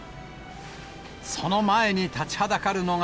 その前に立ちはだかるのが、